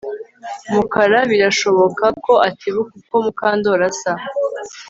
Mukara birashoboka ko atibuka uko Mukandoli asa